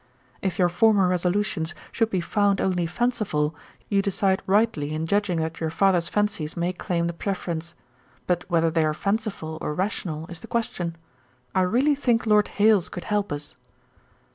'If your former resolutions should be found only fanciful, you decide rightly in judging that your father's fancies may claim the preference; but whether they are fanciful or rational, is the question. I really think Lord Hailes could help us.